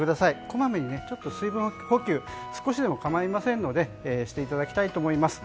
こまめに水分補給を少しでも構いませんのでしていただきたいと思います。